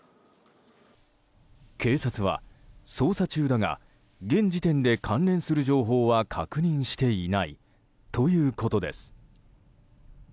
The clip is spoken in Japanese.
警察は、捜査中だが現時点で関連する情報は確認していないということです。